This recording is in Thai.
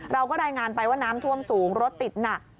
เราก็รายงานไปว่าน้ำท่วมสูงรถติดหนัก